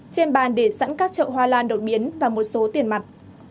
trên bàn để sẵn các trậu hoa lan đột biến và một số tiền mặt